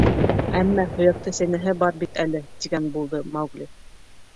— Әммә һөйәкте сәйнәйһе бар бит әле! — тигән булды Маугли.